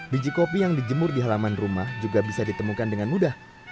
biji kopi yang dijemur di halaman rumah juga bisa ditemukan dengan mudah